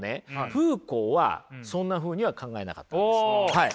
フーコーはそんなふうには考えなかったんです。